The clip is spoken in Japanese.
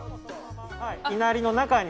いなりの中に。